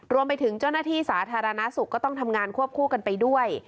รวมไปถึงเจ้าหน้าที่สาธารณสุขก็ต้องทำงานควบคู่กันไปด้วย